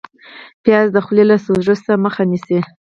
پیاز د خولې له سوزش مخه نیسي